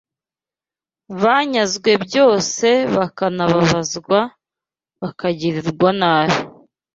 banyazwe byose bakababazwa bakagirirwa nabi